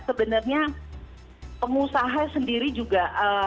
sebenarnya pengusaha sendiri juga